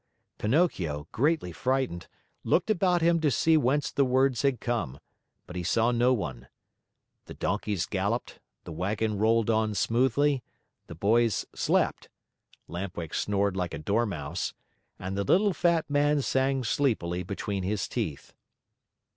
Pinocchio, greatly frightened, looked about him to see whence the words had come, but he saw no one. The donkeys galloped, the wagon rolled on smoothly, the boys slept (Lamp Wick snored like a dormouse) and the little, fat driver sang sleepily between his teeth.